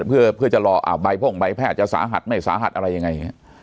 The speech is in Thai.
เพื่อจะรอใบพ่งใบแพทย์จะสาหัสไม่สาหัสอะไรยังไง